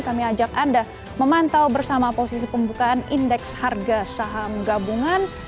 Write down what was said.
kami ajak anda memantau bersama posisi pembukaan indeks harga saham gabungan